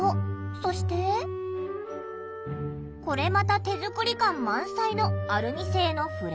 そしてこれまた手作り感満載のアルミ製のフレーム。